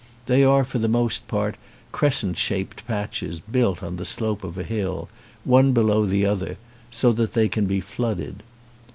They are for the most part crescent shaped patches built on the slope of a hill, one below the other, so that they can be flooded.